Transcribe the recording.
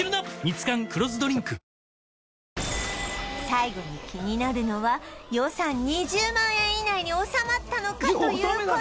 最後に気になるのは予算２０万円以内に収まったのかという事